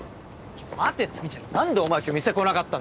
待てってみちる何でお前今日店来なかったんだよ。